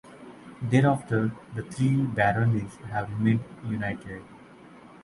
Thereafter, the three baronies have remained united.